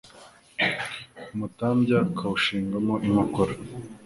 Umutambya akawushinga mo inkokora,